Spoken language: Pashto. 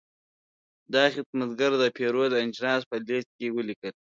دا خدمتګر د پیرود اجناس په لېست کې ولیکل.